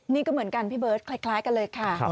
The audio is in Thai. นี่ก็เหมือนกันพี่เบิร์ตคล้ายกันเลยค่ะ